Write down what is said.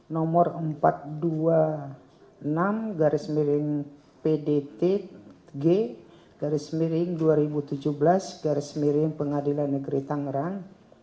nomor empat ratus dua puluh enam garis miring pdt g garis miring dua ribu tujuh belas garis miring pengadilan negeri tangerang